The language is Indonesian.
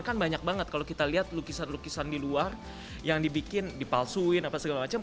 kan banyak banget kalau kita lihat lukisan lukisan di luar yang dibikin dipalsuin apa segala macam